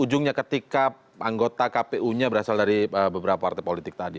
ujungnya ketika anggota kpu nya berasal dari beberapa partai politik tadi